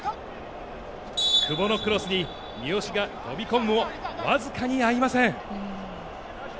久保のクロスに三好が飛び込むもわずかに合いません。